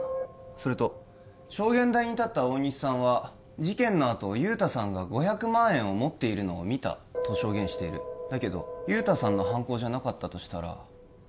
それと証言台に立った大西さんは事件のあと雄太さんが５００万円を持っているのを見たと証言してるだけど雄太さんの犯行じゃなかったとしたら大西さんはないものを見たってことになるよね